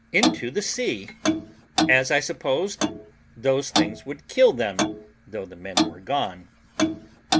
into the sea, believing, as I supposed, those things would kill them, though the men were gone.